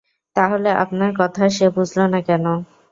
তাহলে আপনার কথা সে বুঝল না কেন?